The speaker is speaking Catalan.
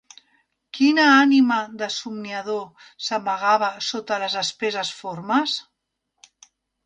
Quina ànima de somniador s'amagava sota les espesses formes